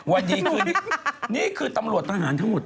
วันนี้คือนี่คือตำรวจทหารทั้งหมดค่ะอันนี้คือตำรวจทหารทั้งหมดค่ะ